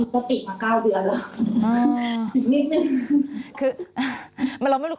มันติดมา๙เดือนสำหรับนิดนึง